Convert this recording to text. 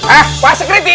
hah pak sekreti